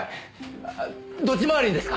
ああどっち回りにですか？